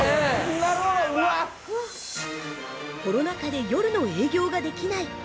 ◆コロナ禍で夜の営業ができない。